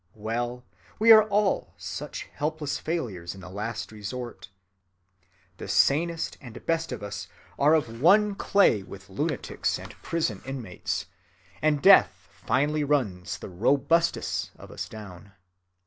Well, we are all such helpless failures in the last resort. The sanest and best of us are of one clay with lunatics and prison inmates, and death finally runs the robustest of us down.